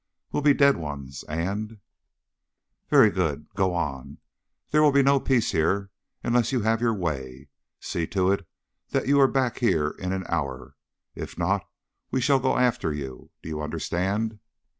We'll be dead ones, and " "Very good. Go on. There will be no peace here unless you have your way. See to it that you are back here in an hour. If not we shall go after you. Do you understand?"